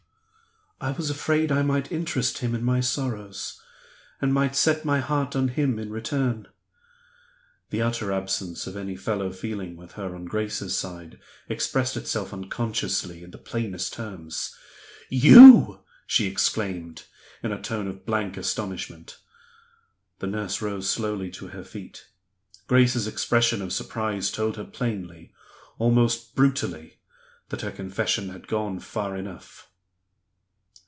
"I was afraid I might interest him in my sorrows, and might set my heart on him in return." The utter absence of any fellow feeling with her on Grace's side expressed itself unconsciously in the plainest terms. "You!" she exclaimed, in a tone of blank astonishment. The nurse rose slowly to her feet. Grace's expression of surprise told her plainly almost brutally that her confession had gone far enough.